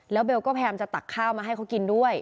แล้วเบลก็แพรมจะตักข้าวมาให้เขากินด้วย